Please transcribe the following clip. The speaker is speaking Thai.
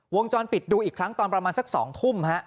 วงจรปิดดูอีกครั้งตอนประมาณสัก๒ทุ่มฮะ